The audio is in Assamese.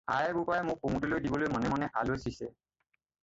আই-বোপায়ে মোক কমুদলৈ দিবলৈ মনে মনে আলচিছে।